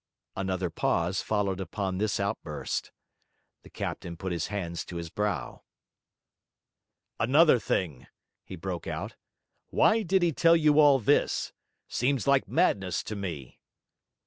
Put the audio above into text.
Another pause followed upon this outburst. The captain put his hands to his brow. 'Another thing!' he broke out. 'Why did he tell you all this? Seems like madness to me!'